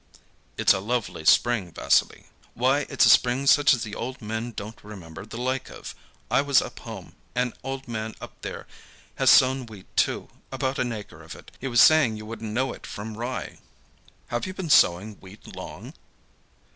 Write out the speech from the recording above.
"It's a lovely spring, Vassily." "Why, it's a spring such as the old men don't remember the like of. I was up home; an old man up there has sown wheat too, about an acre of it. He was saying you wouldn't know it from rye." "Have you been sowing wheat long?"